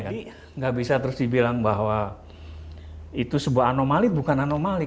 jadi nggak bisa terus dibilang bahwa itu sebuah anomali bukan anomali